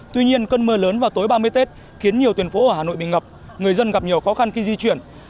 tuy nhiên cơn mưa lớn vào tối ba mươi tết khiến nhiều tuyển phố ở hà nội bị ngập người dân gặp nhiều khó khăn khi di chuyển